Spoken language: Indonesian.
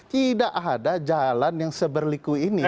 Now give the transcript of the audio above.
tidak ada jalan yang seberliku ini